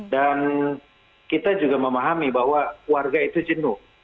dan kita juga memahami bahwa warga itu jenuh